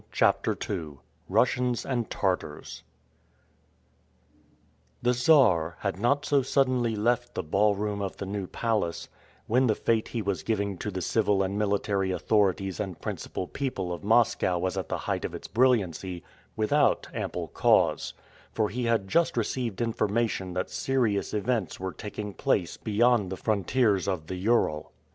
CHAPTER II RUSSIANS AND TARTARS THE Czar had not so suddenly left the ball room of the New Palace, when the fête he was giving to the civil and military authorities and principal people of Moscow was at the height of its brilliancy, without ample cause; for he had just received information that serious events were taking place beyond the frontiers of the Ural.